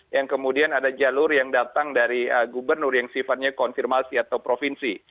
yang kemudian ada jalur yang datang dari gubernur yang sifatnya konfirmasi atau provinsi